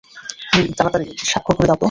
Linyi, তাড়াতাড়ি স্বাক্ষর করে দাওতো।